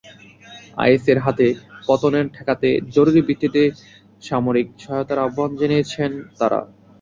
আইএসের হাতে পতন ঠেকাতে জরুরি ভিত্তিতে সামরিক সহায়তার আহ্বান জানিয়েছেন তাঁরা।